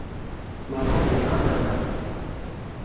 Maɛṭub yesɣa-d axxam.